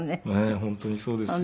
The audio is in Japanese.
本当にそうですよ。